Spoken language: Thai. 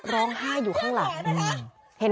ร้องไห้อยู่ข้างหลัง